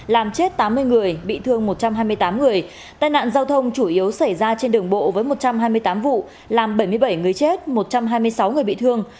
làm chết tám mươi người bị thương một trăm hai mươi tám người tai nạn giao thông chủ yếu xảy ra trên đường bộ với một trăm hai mươi tám vụ làm bảy mươi bảy người chết một trăm hai mươi sáu người bị thương